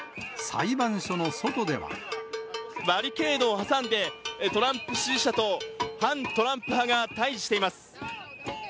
バリケードを挟んで、トランプ支持者と反トランプ派が対じしています。